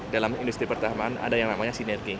dalam industri pertahanan ada yang namanya sinergi